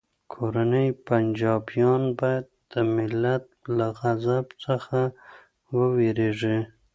کورني پنجابیان باید د ملت له غضب څخه وویریږي